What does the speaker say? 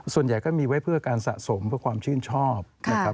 ส่วนใหญ่ก็มีไว้เพื่อการสะสมเพื่อความชื่นชอบนะครับ